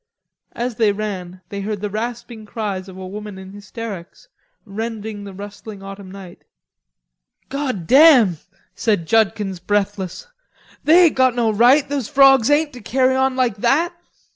As they ran, they heard the rasping cries of a woman in hysterics, rending the rustling autumn night. "God damn," said Judkins breathless, "they ain't got no right, those frogs ain't, to carry on like that."